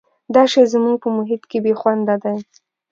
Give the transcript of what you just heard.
دا شی زموږ په محیط کې بې خونده دی.